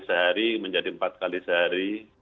sehari menjadi empat kali sehari